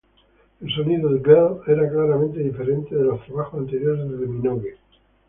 El sonido de "Girl" era claramente diferente de los trabajos anteriores de Minogue.